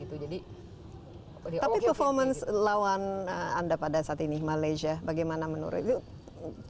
tapi performance lawan anda pada saat ini malaysia bagaimana menurut itu